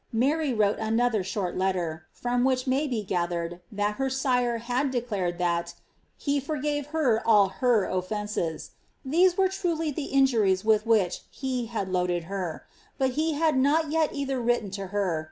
Mary wrole' another diori Ipt ier, from which may be gathered ihat her sire had declareil lliiii " he forgftve her all htr offeiifea;" ihese were truly the injuries wlih which he had looilcd her ; but he had not yei either written to her.